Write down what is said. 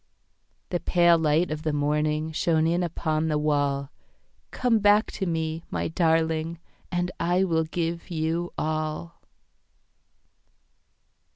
The pale light of the morningShone in upon the wall. Come back to me, my darling, And I will give you all.